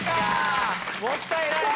もったいないな。